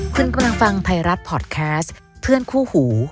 คุณกำลังฟังไทยรัฐพอร์ตแคสต์เพื่อนคู่หู